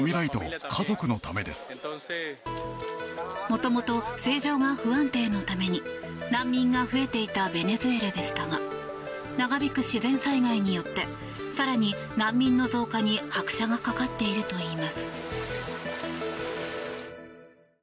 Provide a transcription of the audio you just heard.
もともと政情が不安定のために難民が増えていたベネズエラでしたが長引く自然災害によって更に、難民の増加に拍車がかかっているといいます。